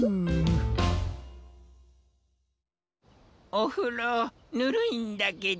おふろぬるいんだけど。